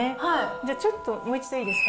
じゃあ、ちょっともう一度いいですか？